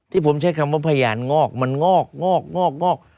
ผมใช้คำว่าพยานงอกมันงอกงอกงอกงอก